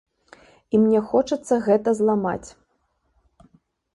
І мне хочацца гэта зламаць.